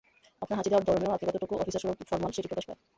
আপনার হাঁচি দেওয়ার ধরনেও আপনি কতটুকু অফিসারসুলভ ফরমাল, সেটি প্রকাশ পায়।